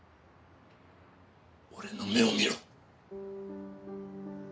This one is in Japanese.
俺の目を見ろ。